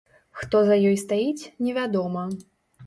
Хто за ёй стаіць, невядома.